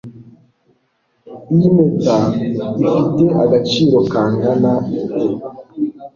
Iyi mpeta ifite agaciro kangana iki